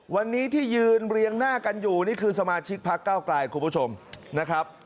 วันนี้ที่ยืนเรียงหน้ากันอยู่นี่คือสมาชิกพักเก้าไกลคุณผู้ชมนะครับ